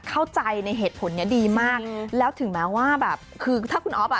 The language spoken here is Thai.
เข้าใจในเหตุผลเนี้ยดีมากแล้วถึงแม้ว่าแบบคือถ้าคุณอ๊อฟอ่ะ